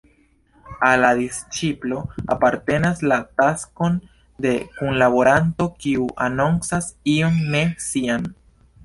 Al la disĉiplo apartenas la taskon de kunlaboranto kiu anoncas ion ne sian.